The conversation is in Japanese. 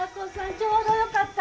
ちょうどよかった。